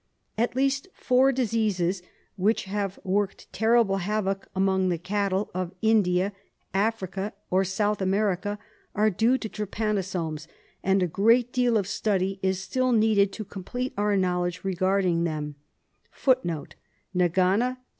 At least tour diseases ^ which have worked terrible havoc among the cattle of India, Africa, or South America, are due to trypanosomes, and a great deal of study is still needed to complete our knowledge regarding them.